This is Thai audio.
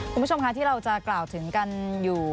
คุณผู้ชมค่ะที่เราจะกล่าวถึงกันอยู่